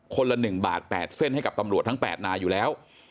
ละ๑บาท๘เส้นให้กับตำรวจทั้ง๘นายอยู่แล้ว